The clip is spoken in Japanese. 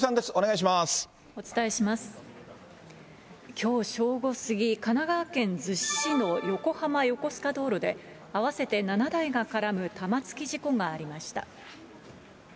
きょう正午過ぎ、神奈川県逗子市の横浜横須賀道路で、合わせて７台が絡む玉突き事故がありました。